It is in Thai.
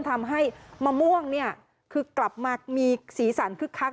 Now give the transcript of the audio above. ทำให้มะม่วงเนี่ยคือกลับมามีสีสันคึกคัก